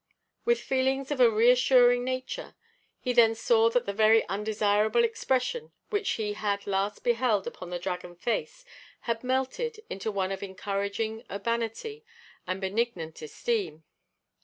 With feelings of a reassuring nature he then saw that the very undesirable expression which he had last beheld upon the dragon face had melted into one of encouraging urbanity and benignant esteem.